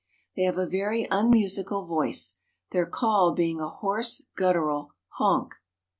They have a very unmusical voice, their call being a hoarse guttural "honk."